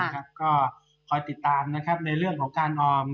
ก็คอยติดตามนะครับในเรื่องของการออม